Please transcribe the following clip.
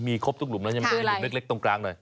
มีครบทุกหลุมแล้วใช่ไหมหลุมเล็กตรงกลางหน่อย